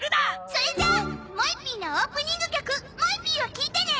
それじゃあ『もえＰ』のオープニング曲『もえＰ』を聴いてね！